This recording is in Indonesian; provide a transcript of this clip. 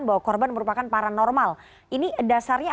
bahkan paranormal ini dasarnya